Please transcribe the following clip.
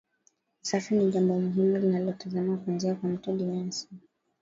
Usafi ni jambo muhimu linalotazamwa kuanzia kwa mtu binafsi